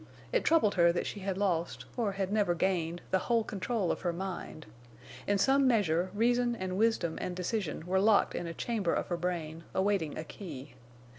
It troubled her that she had lost, or had never gained, the whole control of her mind. In some measure reason and wisdom and decision were locked in a chamber of her brain, awaiting a key.